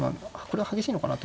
これは激しいのかな。